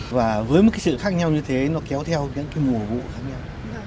và với một cái sự khác nhau như thế nó kéo theo những cái mùa vụ khác nhau